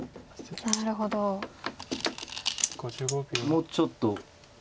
もうちょっと。